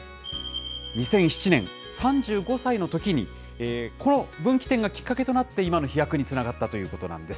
２００７年、３５歳のときに、この分岐点がきっかけとなって今の飛躍につながったということなんです。